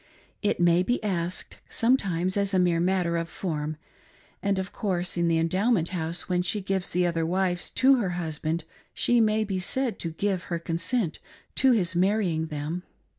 It may be asked sometimes as a mere matter of form, and, of course, in the Endomnnent House, when she gives the other wives to her husband, she may be said to give her consent to his marrying them.